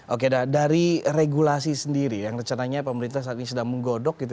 oke dari regulasi sendiri yang rencananya pemerintah saat ini sedang menggodok gitu